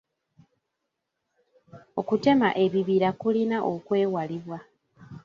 Okutema ebibira kulina okwewalibwa.